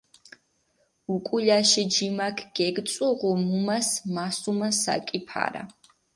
უკულაში ჯიმაქ გეგიწუღუ მუმას მასუმა საკი ფარა.